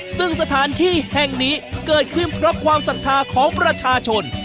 ซึ่งสถานที่แห่งนี้เกิดขึ้นเพราะความศรัทธาของประชาชน